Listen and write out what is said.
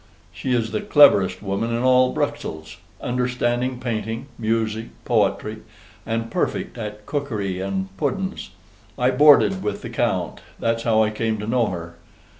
She is the cleverest woman in all Bruxelles: understanding painting, music, poetry, and perfect at COOKERY AND PUDDENS. I borded with the Count, that's how I came to know her.